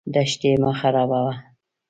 دښتې مه خرابوه.